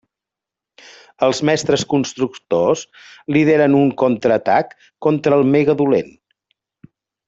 Els Mestres Constructors lideren un contraatac contra el Mega Dolent.